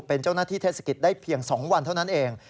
เป็นเจ้าหน้าที่เทศกิจได้เพียง๒วันเท่านั้นเอง